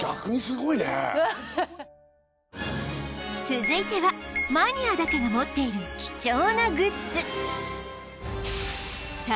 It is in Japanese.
続いてはマニアだけが持っている貴重なグッズ